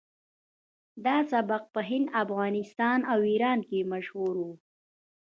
دا سبک په هند افغانستان او ایران کې مشهور و